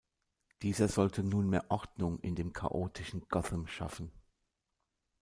Dieser sollte nunmehr Ordnung in dem chaotischen Gotham schaffen.